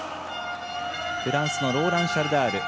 フリースローのローラン・シャルダール。